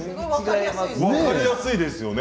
分かりやすいですよね。